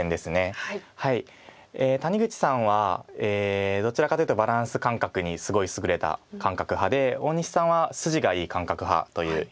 谷口さんはどちらかというとバランス感覚にすごい優れた感覚派で大西さんは筋がいい感覚派という印象があります。